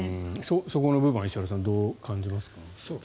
そこの部分は石原さんどう感じますか。